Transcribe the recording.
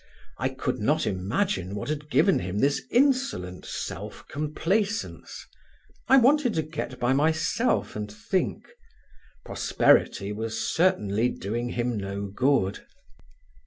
I could not imagine what had given him this insolent self complacence. I wanted to get by myself and think. Prosperity was certainly doing him no good.